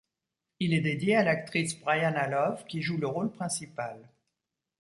Il est dédié à l'actrice Brianna Love, qui joue le rôle principal.